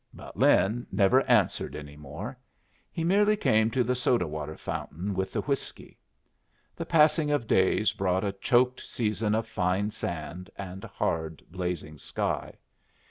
But Lin never answered any more. He merely came to the soda water fountain with the whiskey. The passing of days brought a choked season of fine sand and hard blazing sky.